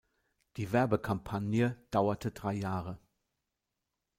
Die Werbekampagne dauerte drei Jahre.